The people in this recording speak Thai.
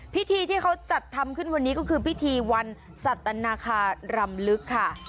พิธีที่เขาจัดทำขึ้นวันนี้ก็คือพิธีวันสัตนาคารำลึกค่ะ